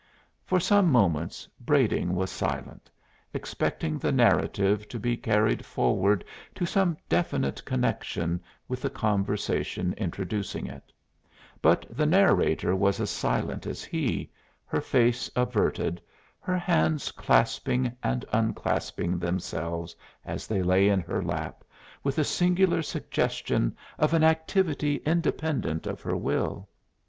For some moments Brading was silent, expecting the narrative to be carried forward to some definite connection with the conversation introducing it; but the narrator was as silent as he, her face averted, her hands clasping and unclasping themselves as they lay in her lap, with a singular suggestion of an activity independent of her will.